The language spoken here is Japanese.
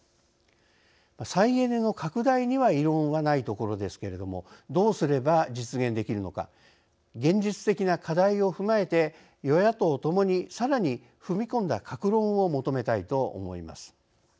再エネの拡大には異論はないところですけれどもどうすれば実現できるのか現実的な課題を踏まえて与野党ともにさらに踏み込んだ各論を求めたいと思います。